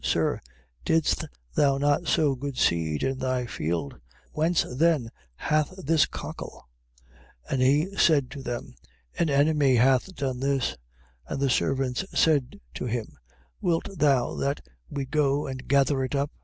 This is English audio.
Sir, didst thou not sow good seed in thy field? Whence then hath it cockle? 13:28. And he said to them: An enemy hath done this. And the servants said to him: Wilt thou that we go and gather it up?